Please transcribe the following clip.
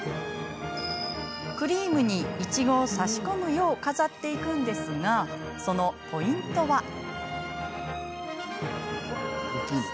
クリームにいちごを差し込むよう飾っていくんですがそのポイントは。